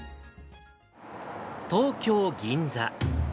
東京・銀座。